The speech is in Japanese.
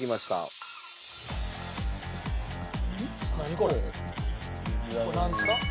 これなんですか？